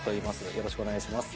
よろしくお願いします。